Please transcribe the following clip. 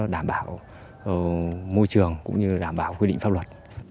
đảm bảo môi trường cũng như đảm bảo quy định pháp luật